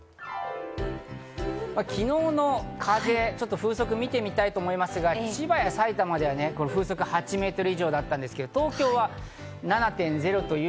昨日の風、風速を見てみたいと思いますが、千葉や埼玉では風速８メートル以上だったんですが東京は７．０。